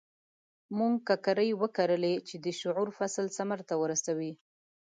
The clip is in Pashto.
موږ ککرې وکرلې چې د شعور فصل ثمر ته ورسوي.